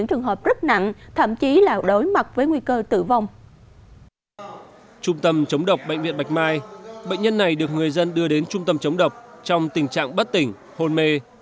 trung tâm chống độc bệnh viện bạch mai bệnh nhân này được người dân đưa đến trung tâm chống độc trong tình trạng bất tỉnh hồn mê